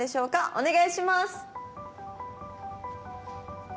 お願いします！